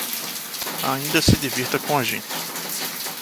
Ainda se divirta com a gente.